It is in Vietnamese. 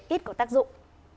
ít có tác dụng